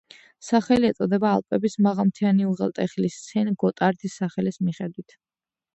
სახელი ეწოდა ალპების მაღალმთიანი უღელტეხილის სენ-გოტარდის სახელის მიხედვით.